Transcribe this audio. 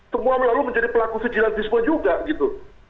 semua melalui menjadi pelaku sejilantisme juga gitu